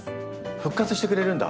復活してくれるんだ。